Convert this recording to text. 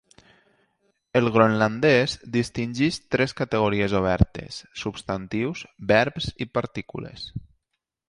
El groenlandès distingeix tres categories obertes: substantius, verbs i partícules.